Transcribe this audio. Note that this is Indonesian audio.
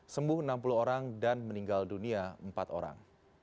sembuh enam puluh orang dan meninggal dunia empat orang